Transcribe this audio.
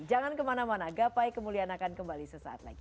jangan kemana mana gapai kemuliaan akan kembali sesaat lagi